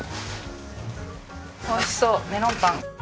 美味しそうメロンパン。